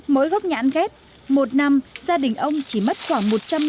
mỗi góc nhãn ghép một năm gia đình ông chỉ mất khoảng